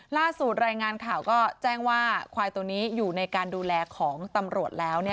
รายงานข่าวก็แจ้งว่าควายตัวนี้อยู่ในการดูแลของตำรวจแล้ว